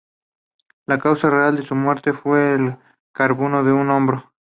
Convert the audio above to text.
La causa real de su muerte fue el carbunco en un hombro.